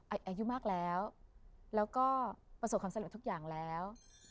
อายุมากแล้วแล้วก็ประสบความสำเร็จทุกอย่างแล้ว